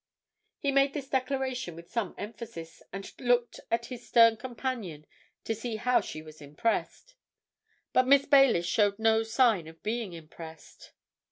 He made this declaration with some emphasis, and looked at his stern companion to see how she was impressed. But Miss Baylis showed no sign of being impressed.